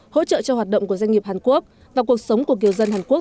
hỗ trợ cho hoạt động của doanh nghiệp hàn quốc và cuộc sống của kiều dân hàn quốc